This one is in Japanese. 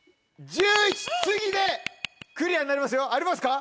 次でクリアになりますよありますか？